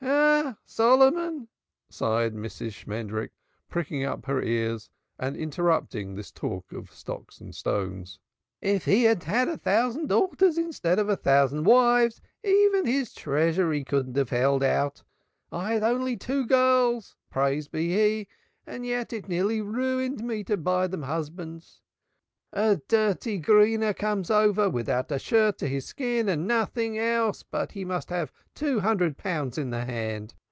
"Ah, Solomon!" sighed Mrs. Shmendrik, pricking up her ears and interrupting this talk of stocks and stones, "If he'd had a thousand daughters instead of a thousand wives, even his treasury couldn't have held out. I had only two girls, praised be He, and yet it nearly ruined me to buy them husbands. A dirty Greener comes over, without a shirt to his skin, and nothing else but he must have two hundred pounds in the hand.